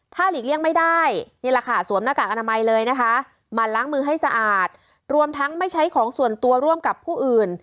หลีกเลี่ยงไม่ได้นี่แหละค่ะสวมหน้ากากอนามัยเลยนะคะมาล้างมือให้สะอาดรวมทั้งไม่ใช้ของส่วนตัวร่วมกับผู้อื่น